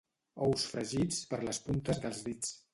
Ous fregits per les puntes dels dits.